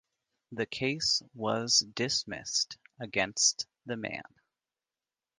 The case was dismissed against the man.